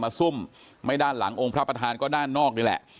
ซุ่มไม่ด้านหลังองค์พระประธานก็ด้านนอกนี่แหละ